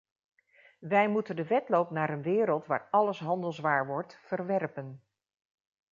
Wij moeten de wedloop naar een wereld waar alles handelswaar wordt, verwerpen.